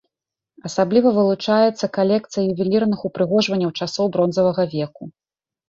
Асабліва вылучаецца калекцыя ювелірных упрыгожванняў часоў бронзавага веку.